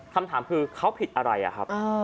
คำถามคือเขาผิดอะไรอะครับ